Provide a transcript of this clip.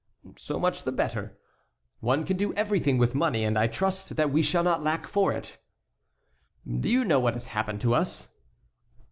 "So much the better." "One can do everything with money, and I trust that we shall not lack for it." "Do you know what has happened to us?"